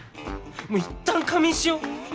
いったん仮眠しよう！